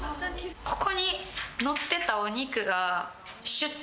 ここに載ってたお肉が。